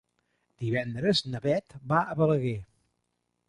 Divendres na Beth va a Balaguer.